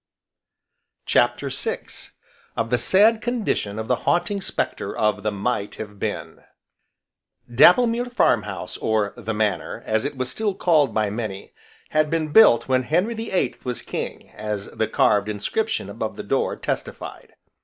CHAPTER VI Of the sad condition of the Haunting Spectre of the Might Have Been Dapplemere Farm House, or "The Manor," as it was still called by many, had been built when Henry the Eighth was King, as the carved inscription above the door testified.